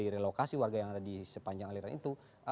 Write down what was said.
relokasi warga yang ada di sepanjang aliran itu